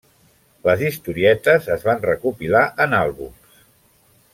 Les historietes es van recopilar en àlbums.